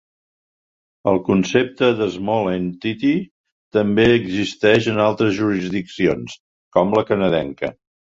El concepte de "small entity" també existeix en altres jurisdiccions, com la canadenca.